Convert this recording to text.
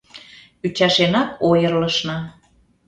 Ӱчашенак ойырлышна.